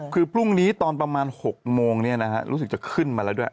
คือพรุ่งนี้ตอนประมาณ๖โมงรู้สึกจะขึ้นมาแล้วด้วย